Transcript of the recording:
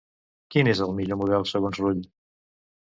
Quin és el millor model, segons Rull?